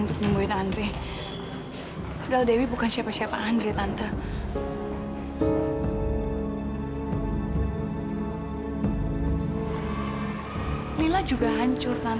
strategik ini tidak akan lebih baik karena saya ketinggalan tante bahwa regen deadhead